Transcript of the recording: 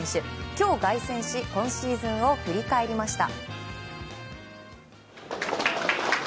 今日、凱旋し今シーズンを振り返りました。